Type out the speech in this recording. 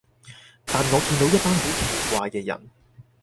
但我見到一班好奇怪嘅人